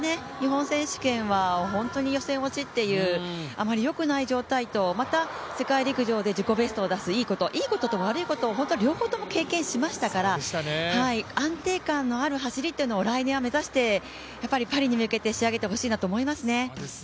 あまりよくない状態と、また世界陸上で自己ベストを出すいいこといいことと悪いことを両方経験しましたから安定感のある走りというのを来年は目指してパリに向けて仕上げてほしいなと思いますね。